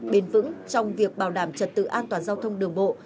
bền vững trong việc bảo đảm trật tự an toàn giao thông đường bộ